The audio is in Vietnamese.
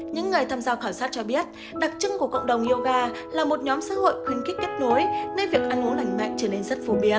những người tham gia khảo sát cho biết đặc trưng của cộng đồng yoga là một nhóm xã hội khuyến khích kết nối nên việc ăn uống lành mạnh trở nên rất phổ biến